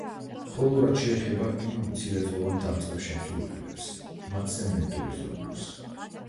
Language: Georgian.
ხოლო რაც შეეხება იმ მცირეწლოვან დამწყებ შემსრულებელებს, მათზე მენტორი ზრუნავს.